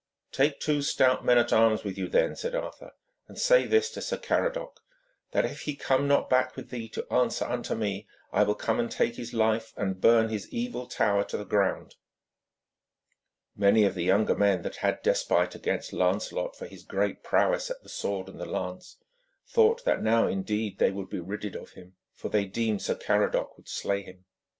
'Take two stout men at arms with you, then,' said Arthur, 'and say to this Sir Caradoc that if he come not back with thee to answer unto me, I will come and take his life and burn his evil tower to the ground.' Many of the younger men that had despite against Lancelot for his greater prowess at the sword and the lance thought that now, indeed, they would be ridded of him, for they deemed Sir Caradoc would slay him.